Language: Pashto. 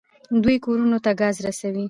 دوی کورونو ته ګاز رسوي.